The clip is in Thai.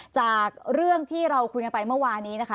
จากเรื่องที่เราคุยกันไปเมื่อวานี้นะคะ